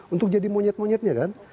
untuk jadi monyet monyetnya kan